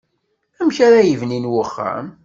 Amk ara yibnin uxxam.